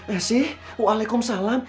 eh sih waalaikumsalam